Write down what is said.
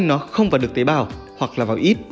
do không vào được tế bào hoặc vào ít